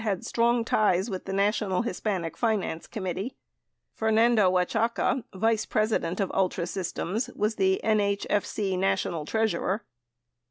had strong ties with the National Hispanic Finance Committee. Fer nando Oaxaca, vice president of Ultra Systems, was the NHFC na tional treasurer.